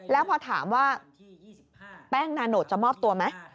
แล้วพอถามว่าแป้งนาโนตจะมอบตัวไหม